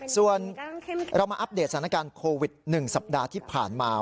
ส่วนเรามาอัปเดตสถานการณ์โควิด๑สัปดาห์ที่ผ่านมา